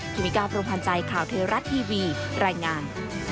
เมกาพรมพันธ์ใจข่าวเทราะทีวีรายงาน